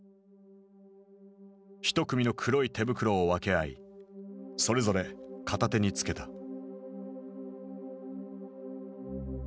一組の黒い手袋を分け合いそれぞれ片手に着けた。